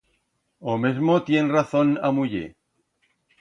O mesmo tien razón a muller.